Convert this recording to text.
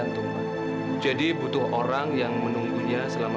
sudah ter sexy